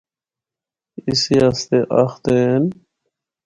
اس آسطے آخدے ہن۔